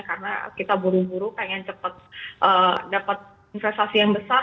karena kita buru buru pengen cepat dapat investasi yang besar